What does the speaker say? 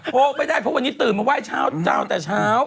โก๊ไม่ได้เพราะวันนี้ตื่นมาไหว้เช้าเจ้าแต่เช้า